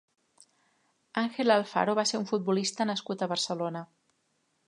Ángel Alfaro va ser un futbolista nascut a Barcelona.